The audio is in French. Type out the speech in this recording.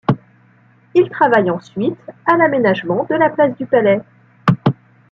Il travaille ensuite à l'aménagement de la place du Palais.